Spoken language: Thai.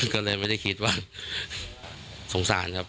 ก็เลยไม่ได้คิดว่าสงสารครับ